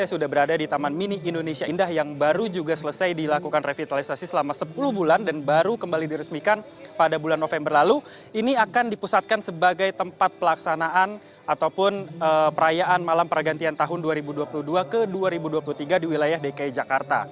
malam pergantian tahun dua ribu dua puluh dua ke dua ribu dua puluh tiga di wilayah dki jakarta